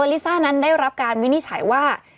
ลิซ่านั้นได้รับการวินิจฉัยว่า